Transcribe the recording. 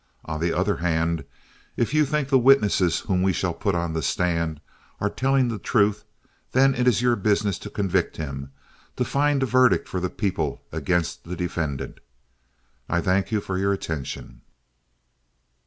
On the other hand, if you think the witnesses whom we shall put on the stand are telling the truth, then it is your business to convict him, to find a verdict for the people as against the defendant. I thank you for your attention."